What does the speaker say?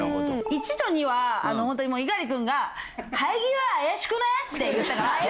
１と２はほんとに猪狩君が生え際怪しくね？って言ったから。